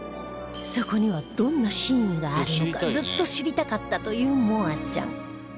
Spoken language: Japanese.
そこにはどんな真意があるのかずっと知りたかったという望亜ちゃん